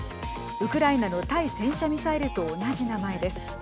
ウクライナの対戦車ミサイルと同じ名前です。